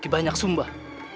ke banyak sumbah